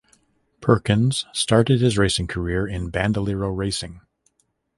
Perkins started his racing career in Bandolero racing.